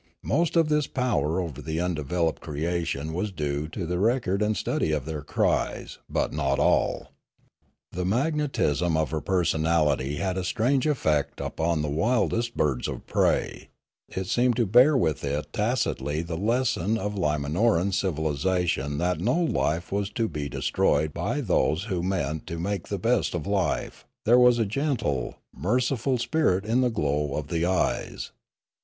Most of this power over the undeveloped creation was due to the record and study of their cries; but not all. The magnetism of her personality had a strange effect upon the wildest bifrds of prey: it seemed to bear with it tacitly the les son of Li manor an civilisation that no life was to be de stroyed by those who meant to make the best of life; there was a gentle, merciful spirit in the glow of the eyes.